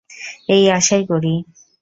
এই আশাই করি।